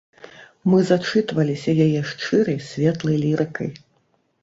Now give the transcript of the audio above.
Мы зачытваліся яе шчырай, светлай лірыкай.